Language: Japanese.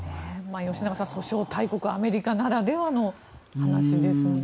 吉永さん、訴訟大国アメリカならではの話ですね。